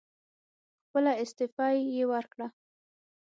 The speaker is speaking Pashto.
خپله استعفی یې ورکړه.